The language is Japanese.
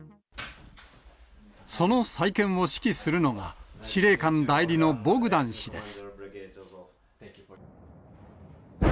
その再建を指揮するのが、司令官代理のボグダン氏です。